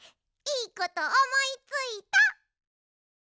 いいことおもいついた！